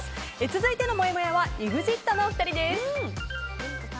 続いてのもやもやはＥＸＩＴのお二人です。